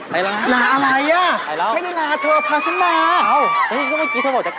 ไปล้างั้นลาอะไรน่ะ